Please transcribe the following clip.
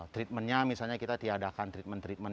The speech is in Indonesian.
treatmentnya misalnya kita tiadakan treatment treatment